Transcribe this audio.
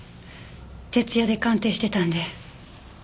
徹夜で鑑定してたんで。